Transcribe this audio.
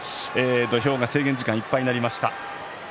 土俵が制限時間いっぱいとなりました。